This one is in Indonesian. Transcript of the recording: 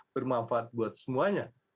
bermanfaat buat semuanya